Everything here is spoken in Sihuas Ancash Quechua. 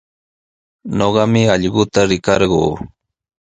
Ñuqami allquta rikarquu.